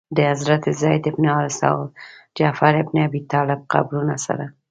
د حضرت زید بن حارثه او جعفر بن ابي طالب قبرونو سره.